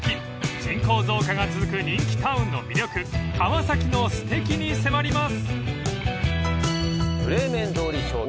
［人口増加が続く人気タウンの魅力川崎のすてきに迫ります］